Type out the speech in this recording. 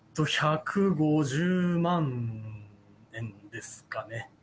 １５０万円ですかね。